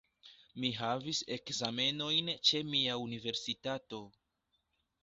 Mi havis ekzamenojn ĉe mia universitato.